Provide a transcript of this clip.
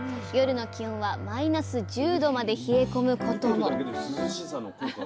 夜の気温はマイナス１０℃まで冷え込むことも。